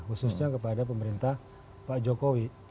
khususnya kepada pemerintah pak jokowi